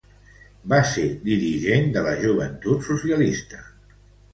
Va ser dirigent de la Juventud Socialista.